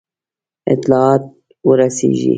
اطلاعات ورسیږي.